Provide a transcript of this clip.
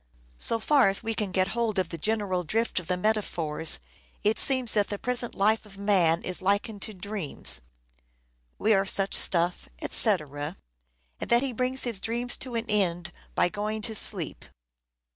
So far as we can get hold of the general drift of the metaphors, it seems that the present life of man is likened to dreams :" We are such stuff, etc.," and that he brings 512 "SHAKESPEARE" IDENTIFIED his dreams to an end by going to sleep.